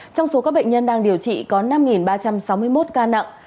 trong số các bệnh nhân đang điều trị có năm ba trăm sáu mươi một ca nặng